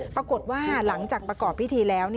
ปรากฏว่าหลังจากประกอบพิธีแล้ว